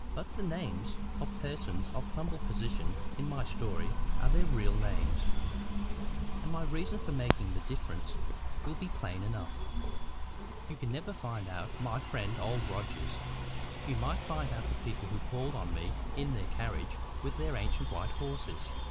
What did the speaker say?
But the names of the persons of humble position in my story are their real names. And my reason for making the difference will be plain enough. You can never find out my friend Old Rogers; you might find out the people who called on me in their carriage with the ancient white horses.